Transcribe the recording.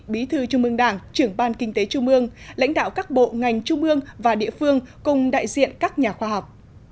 bí thư trung mương đảng trưởng ban kinh tế trung mương lãnh đạo các bộ ngành trung mương và địa phương cùng đại diện các nhà khoa học